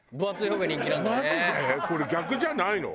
これ逆じゃないの？